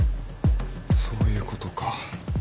そういうことか。